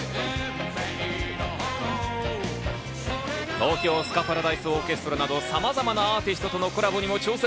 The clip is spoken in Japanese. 東京スカパラダイスオーケストラなど、さまざまなアーティストとのコラボにも挑戦。